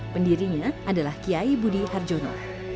pendirinya adalah kiai budi harjono